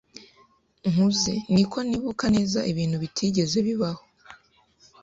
Nkuze, niko nibuka neza ibintu bitigeze bibaho.